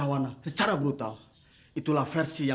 kau ingin saya pampah ya